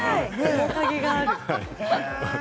面影がある。